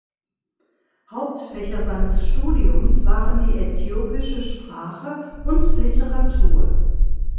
Hauptfächer seines Studiums waren die äthiopische Sprache und Literatur.